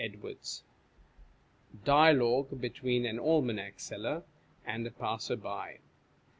I ( 179 ) DIALOGUE BETWEEN AN ALMANAC SELLER AND A PASSER BY.